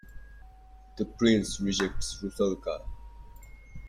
The prince rejects Rusalka.